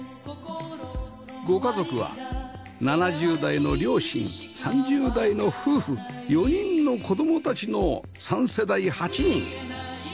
ご家族は７０代の両親３０代の夫婦４人の子供たちの３世代８人